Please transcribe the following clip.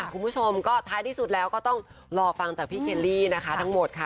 คุณผู้ชมก็ท้ายที่สุดแล้วก็ต้องรอฟังจากพี่เคลลี่นะคะทั้งหมดค่ะ